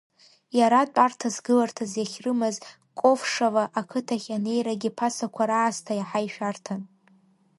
Иара тәарҭасгыларҭас иахьрымаз Ковшово ақыҭахь анеирагьы ԥасақәа раасҭа иаҳа ишәарҭан.